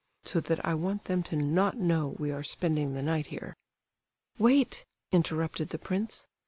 So that I want them to not know we are spending the night here—" "Wait," interrupted the prince.